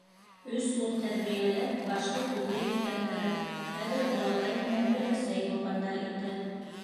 Өс ул тәрбиәләп, башлы-күҙле иткәндәр, хәҙер олатай менән өләсәй булғандар инде.